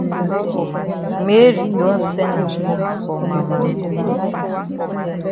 Mary don send am for ma mami.